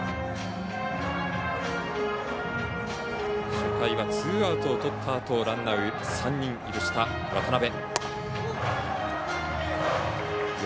初回はツーアウトをとったあとランナーを３人許した渡邊。